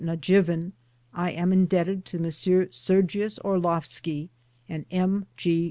Najivin I am indebted to M. Sergius Orlovski and M. G.